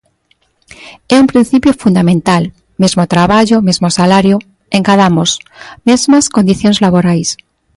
É un principio fundamental: mesmo traballo, mesmo salario; engadamos: mesmas condicións laborais.